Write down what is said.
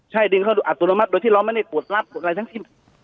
ใช่ดึงเข้าดูอัพตุวรรมัสโดยที่เรามันไม่ได้ปวดลับปวดอะไร